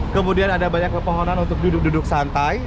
kemudian ada banyak pepohonan untuk duduk duduk santai